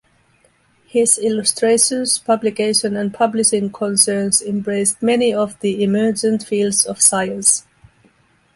His illustrations, publication and publishing concerns embraced many of the emergent fields of science.